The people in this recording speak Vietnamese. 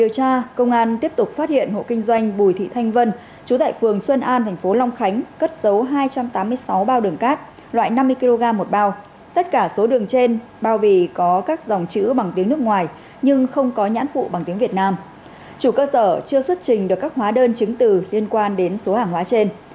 chủ cơ sở chưa xuất trình được các hóa đơn chứng từ liên quan đến số hàng hóa trên